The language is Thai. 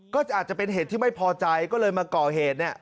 ก็อาจจะเป็นเหตุที่ไม่พอใจก็เลยมาก่อเหตุเนี่ย